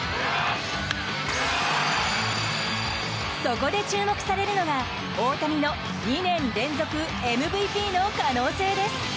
そこで注目されるのが大谷の２年連続ＭＶＰの可能性です。